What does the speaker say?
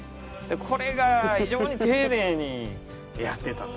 これが非常に丁寧にやってたと。